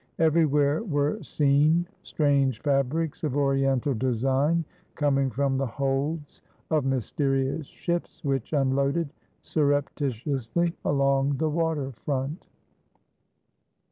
Everywhere were seen strange fabrics of oriental design coming from the holds of mysterious ships which unloaded surreptitiously along the water front.